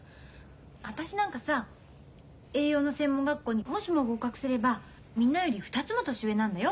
私なんかさ栄養の専門学校にもしも合格すればみんなより２つも年上なんだよ。